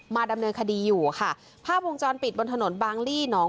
ดำเนินคดีอยู่ค่ะภาพวงจรปิดบนถนนบางลี่หนอง